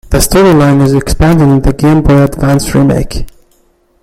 The storyline is expanded in the Game Boy Advance remake.